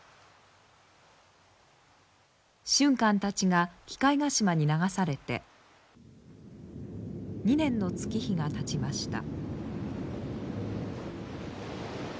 俊寛たちが鬼界ヶ島に流されて２年の月日がたちました。